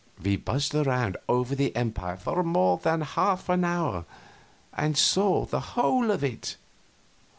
We buzzed around over that empire for more than half an hour, and saw the whole of it.